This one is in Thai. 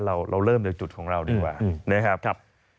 เราเริ่มจากจุดของเราดีกว่า